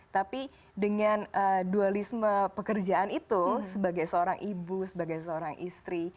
tapi dengan dualisme pekerjaan itu sebagai seorang ibu sebagai seorang istri